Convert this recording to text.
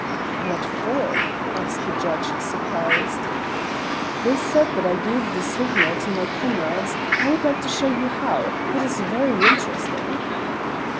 "What for?" asked the judge, surprised. "They said that I gave the signal to my comrades. I would like to show you how. It is very interesting."